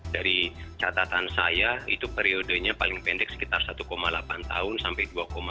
dari catatan saya itu periodenya paling pendek sekitar satu delapan tahun sampai dua lima